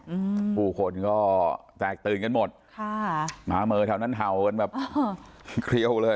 อืมผู้คนก็แตกตื่นกันหมดค่ะหมาเมอแถวนั้นเห่ากันแบบเครี่ยวเลย